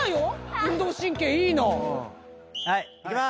運動神経いいの。いきます。